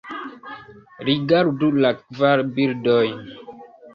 Rigardu la kvar bildojn.